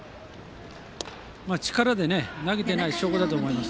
力で投げてない証拠だと思います。